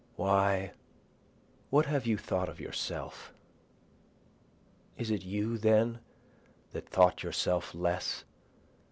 Why what have you thought of yourself? Is it you then that thought yourself less?